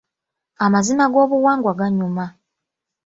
Amazina g'obuwangwa ganyuma.